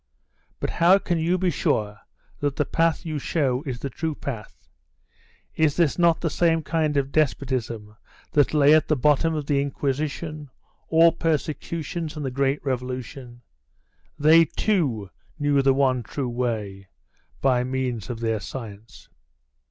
"But how can you be sure that the path you show is the true path? Is this not the same kind of despotism that lay at the bottom of the Inquisition, all persecutions, and the great revolution? They, too, knew the one true way, by means of their science."